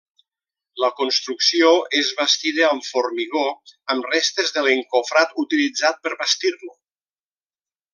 La construcció és bastida amb formigó, amb restes de l'encofrat utilitzat per bastir-lo.